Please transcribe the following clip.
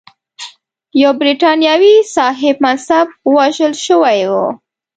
یو برټانوي صاحب منصب وژل شوی و.